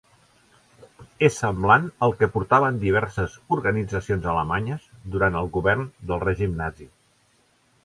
És semblant al que portaven diverses organitzacions alemanyes durant el govern del règim nazi.